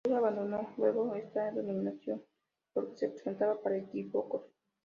Freud abandonó luego esta denominación porque se prestaba para equívocos.